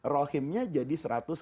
rahimnya jadi satu ratus lima puluh